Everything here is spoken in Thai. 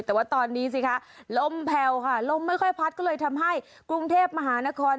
แต่ว่าตอนนี้สิคะลมแผ่วค่ะลมไม่ค่อยพัดก็เลยทำให้กรุงเทพมหานคร